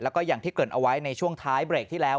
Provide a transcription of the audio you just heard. แล้วก็อย่างที่เกิดเอาไว้ในช่วงท้ายเบรกที่แล้ว